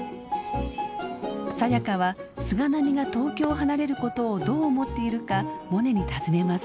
サヤカは菅波が東京を離れることをどう思っているかモネに尋ねます。